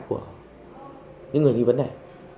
của những người nghi vấn này